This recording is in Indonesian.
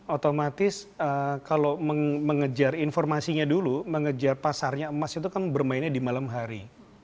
otomatis kalau mengejar informasinya dulu mengejar pasarnya emas itu kan bermainnya di malam hari